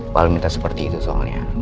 paling minta seperti itu soalnya